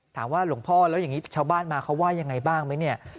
หลวงพ่อแล้วอย่างนี้ชาวบ้านมาเขาว่ายังไงบ้างไหมเนี่ย